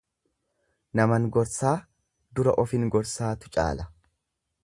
Naman gorsaa dura ofin gorsaatu caala.